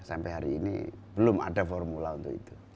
sampai hari ini belum ada formula untuk itu